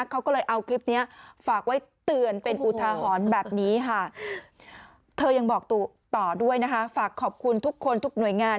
เขาก็เลยเอาคลิปนี้ฝากไว้เตือนเป็นอุทหรณ์แบบนี้ค่ะ